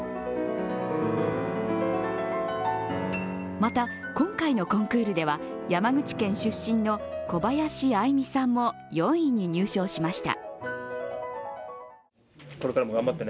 また、今回のコンクールでは、山口県出身の小林愛実さんも４位に入賞しました。